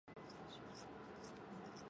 Sam Smulyan was President of the new company.